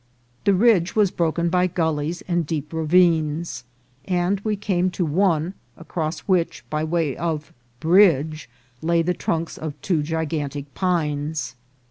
The ridge was broken by gullies and deep ravines ; and we came to one across which, by way of bridge, lay the trunks of two gigantic pines.